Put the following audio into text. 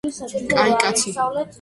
კაი კაცი